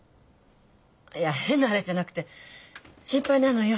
いや変なあれじゃなくて心配なのよ